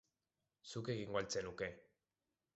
Zuk egingo al zenuke?